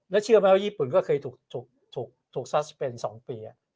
แล้วเชื่อมั้ยว่าญี่ปุ่นก็เคยถูกถูกถูกถูกซัสเปน๒ปี